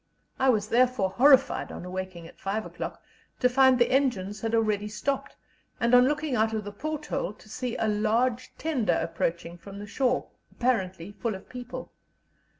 I was therefore horrified, on awaking at five o'clock, to find the engines had already stopped, and, on looking out of the porthole, to see a large tender approaching from the shore, apparently full of people.